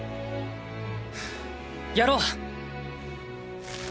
やろう。